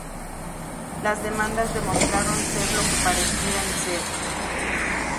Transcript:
las demandas demostraron ser lo que parecían ser